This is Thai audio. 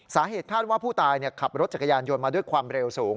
สาเหตุคาดว่าผู้ตายขับรถจักรยานยนต์มาด้วยความเร็วสูง